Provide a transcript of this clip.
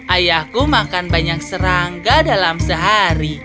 ayahku makan banyak serangga dalam sehari